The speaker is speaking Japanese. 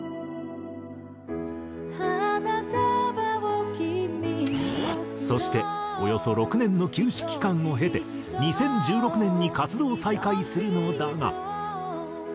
「花束を君に贈ろう」そしておよそ６年の休止期間を経て２０１６年に活動再開するのだが。